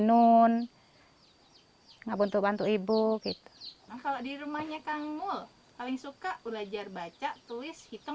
nun nggak butuh bantu ibu gitu kalau dirumahnya kang mul paling suka belajar baca tulis hitung